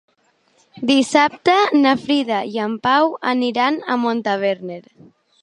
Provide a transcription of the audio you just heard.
Dissabte na Frida i en Pau aniran a Montaverner.